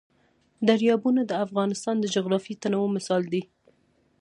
دریابونه د افغانستان د جغرافیوي تنوع مثال دی.